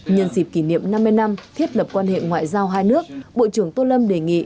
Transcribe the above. nhân dịp kỷ niệm năm mươi năm thiết lập quan hệ ngoại giao hai nước bộ trưởng tô lâm đề nghị